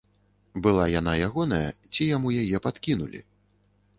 Была яна ягоная ці яму яе падкінулі?